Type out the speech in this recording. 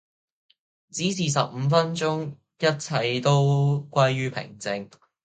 只是十五分鐘一切都歸於平靜